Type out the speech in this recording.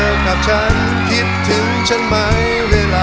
อีก๑๕๑คะแนนจะทำรุนทูลตุนไว้ถึง๔๙คะแนน